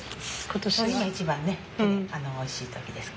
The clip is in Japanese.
今一番ねおいしい時です。